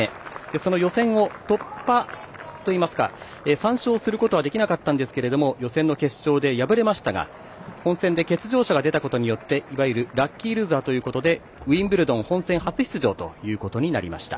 その予選を突破といいますか３勝することはできなかったんですけれども予選の決勝で敗れましたが、本戦で欠場者が出たことによっていわゆるラッキールーザーということでウィンブルドン本戦初出場ということになりました。